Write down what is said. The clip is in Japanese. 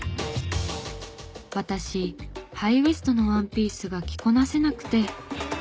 「私ハイウエストのワンピースが着こなせなくて」